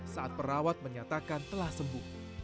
saat perawat menyatakan telah sembuh